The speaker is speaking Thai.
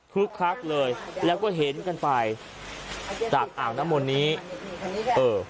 คักเลยแล้วก็เห็นกันไปจากอ่างน้ำมนต์นี้เออ